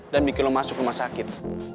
dan bikin lu masuk rumah sakit